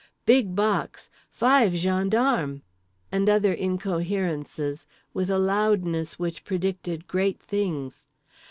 —"big box"—"five gendarmes!" and other incoherences with a loudness which predicted great things.